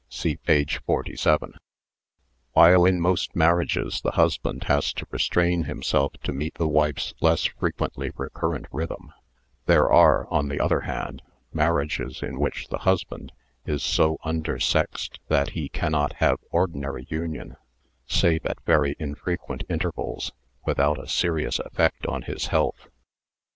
(See page 47.) While in most marriages the husband has to re strain himself to meet the wife's less frequently re current rhythm, there are, on the other hand, mar riages in which the husband is so under sexed that he cannot have ordinary union save at very infrequent intervals without a serious effect on his health.